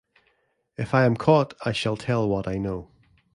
If I am caught I shall tell what I know.